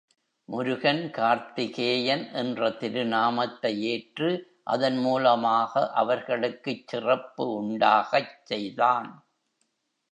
முருகன் கார்த்திகேயன் என்ற திருநாமத்தை ஏற்று அதன் மூலமாக அவர்களுக்குச் சிறப்பு உண்டாகச் செய்தான்.